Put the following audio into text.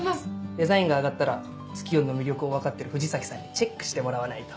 デザインが上がったらツキヨンの魅力を分かってる藤崎さんにチェックしてもらわないと。